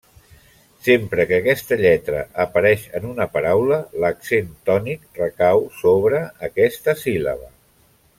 Sempre que aquesta lletra apareix en una paraula, l'accent tònic recau sobre aquesta síl·laba.